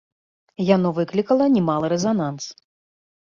Яно выклікала немалы рэзананс.